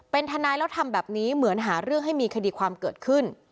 เป็นทนายแล้วทำแบบนี้เหมือนหาเรื่องให้มีคดีความเกิดขึ้น